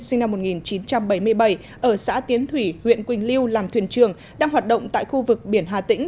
sinh năm một nghìn chín trăm bảy mươi bảy ở xã tiến thủy huyện quỳnh lưu làm thuyền trường đang hoạt động tại khu vực biển hà tĩnh